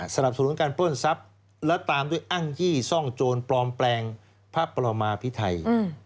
สนับสนุนการปล้นทรัพย์และตามด้วยอ้างยี่ซ่องโจรปลอมแปลงพระประมาพิไทย